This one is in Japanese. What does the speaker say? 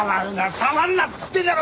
触るなっつってんだろ！